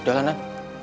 udah lah nan